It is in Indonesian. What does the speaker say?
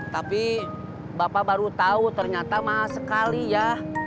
tapi bapak baru tahu ternyata mahal sekali ya